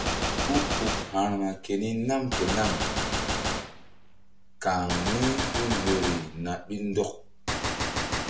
Ku uk ha̧rma keni nam ke nam kan mí hul woyri na ɓil ndɔk.